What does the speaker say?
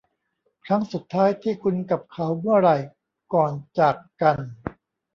ครั้งสุดท้ายที่คุณกับเขาเมื่อไหร่ก่อนจากกัน